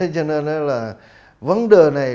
cho nên là vấn đề này